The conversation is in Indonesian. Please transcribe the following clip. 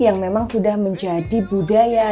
yang memang sudah menjadi budaya